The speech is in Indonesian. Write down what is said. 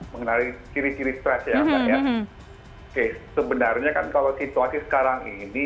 mengenali ciri ciri stres ya sebenarnya kan kalau situasi sekarang ini